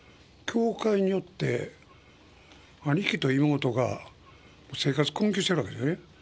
教会によって兄貴と妹が、生活困窮しているわけですよね。